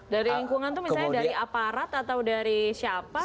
dari lingkungan itu misalnya dari aparat atau dari siapa